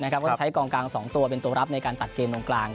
ก็ใช้กองกลาง๒ตัวเป็นตัวรับในการตัดเกมตรงกลาง